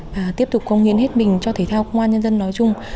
và tiếp tục công hiến hết mình cho thể thao công an nhân dân nói chung